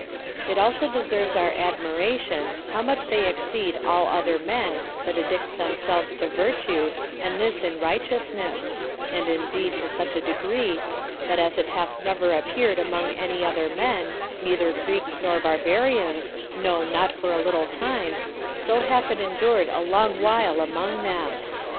It also deserves our admiration, how much they exceed all other men that addict themselves to virtue, and this in righteousness; and indeed to such a degree, that as it hath never appeared among any other men, neither Greeks nor barbarians, no, not for a little time, so hath it endured a long while among them.